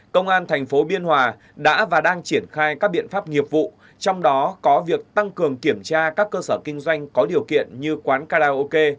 công an tp hcm đã và đang triển khai các biện pháp nghiệp vụ trong đó có việc tăng cường kiểm tra các cơ sở kinh doanh có điều kiện như quán karaoke